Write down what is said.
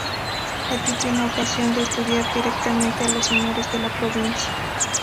Aquí tiene ocasión de estudiar directamente a los señores de la provincia.